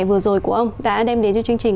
vừa rồi của ông đã đem đến cho chương trình